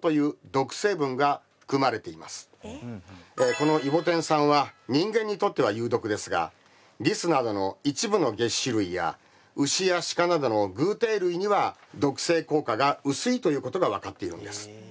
このイボテン酸は人間にとっては有毒ですがリスなどの一部のげっ歯類や牛やシカなどの偶蹄類には毒性効果が薄いということが分かっているんです。